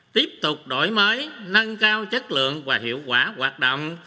tiếp tục đổi mới nâng cao chất lượng và hiệu quả hoạt động